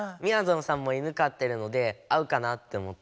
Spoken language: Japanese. んさんも犬飼ってるので合うかなって思って。